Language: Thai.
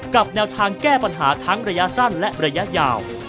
แนวทางแก้ปัญหาทั้งระยะสั้นและระยะยาว